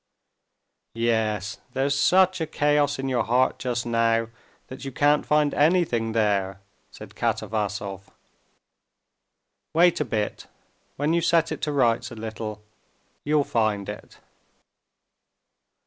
"Yes, there's such a chaos in your heart just now that you can't find anything there," said Katavasov. "Wait a bit, when you set it to rights a little, you'll find it!"